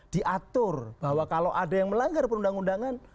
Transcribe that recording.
diatur bahwa kalau ada yang melanggar perundang undangan